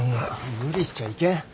無理しちゃいけん！